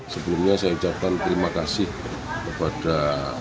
sebelumnya saya ucapkan terima kasih kepada